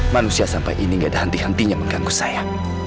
manusia sampai ini gak ada henti hentinya mengganggu saya